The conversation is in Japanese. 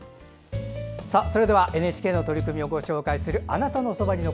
それではＮＨＫの取り組みをご紹介する「あなたのそばに」です。